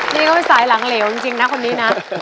นี่เขาสายหลังเหลวจริงนะคนนี้นะ